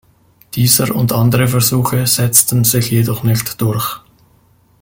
Dieser und andere Versuche setzten sich jedoch nicht durch.